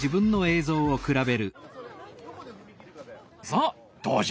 さあどうじゃ？